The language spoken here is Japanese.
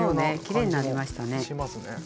きれいになりましたね。